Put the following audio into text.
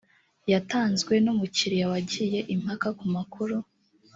yatanzwe n umukiriya wagiye impaka ku makuru